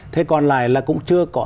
thế còn lại là cũng chưa có